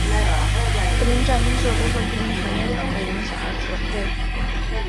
福邻站因受多个居民全面反对影响而只会设预留站令全线列车班次只能不停靠通过。